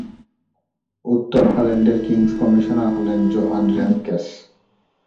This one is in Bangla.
উত্তর হল্যান্ডের কিংস কমিশনার হলেন জোহান রেমকেস।